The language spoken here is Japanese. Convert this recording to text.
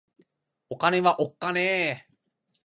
お金はおっかねぇ